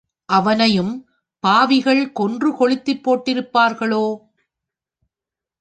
அவனையும் பாவிகள் கொன்று கொளுத்திப் போட்டிருப்பார்களோ!